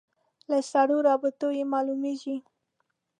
له سړو رابطو یې معلومېږي.